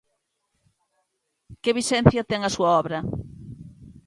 Que vixencia ten a súa obra?